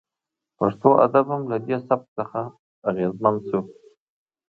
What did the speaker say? پښتو ادب هم له دې سبک څخه اغیزمن شو